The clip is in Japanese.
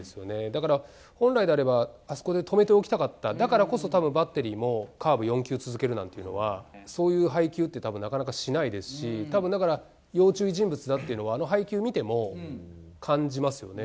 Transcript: だから、本来であれば、あそこで止めておきたかった、だからこそ、たぶん、バッテリーも、カーブ４球続けるなんていうのは、そういう配球ってたぶん、なかなかしないですし、たぶんだから、要注意人物だっていうのは、あの配球見ても感じますよね。